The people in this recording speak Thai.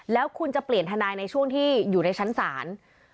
แล้วคุณจะเปลี่ยนทนายในช่วงที่อยู่ในชั้นศาล